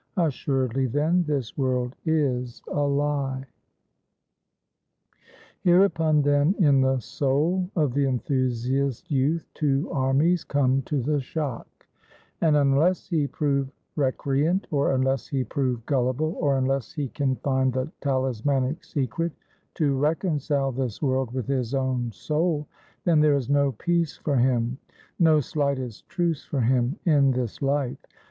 Assuredly, then, this world is a lie. Hereupon then in the soul of the enthusiast youth two armies come to the shock; and unless he prove recreant, or unless he prove gullible, or unless he can find the talismanic secret, to reconcile this world with his own soul, then there is no peace for him, no slightest truce for him in this life.